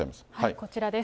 こちらです。